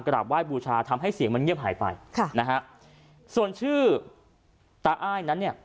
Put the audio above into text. กราบไห้บูชาทำให้เสียงมันเงียบหายไปค่ะนะฮะส่วนชื่อตาอ้ายนั้นเนี่ย